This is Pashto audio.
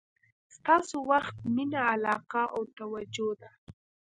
ستاسو وخت، مینه، علاقه او توجه ده.